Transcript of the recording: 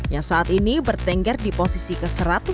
yang saat ini bertengger di posisi ke satu ratus dua puluh